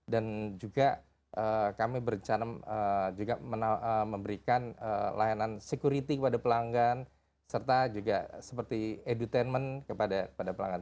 dan juga kami berencana juga memberikan layanan security kepada pelanggan serta juga seperti edutainment kepada pelanggan